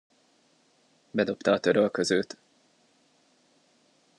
Bedobta a törölközőt.